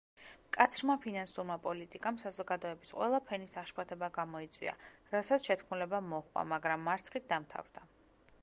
მკაცრმა ფინანსურმა პოლიტიკამ საზოგადოების ყველა ფენის აღშფოთება გამოიწვია, რასაც შეთქმულება მოჰყვა, მაგრამ მარცხით დამთავრდა.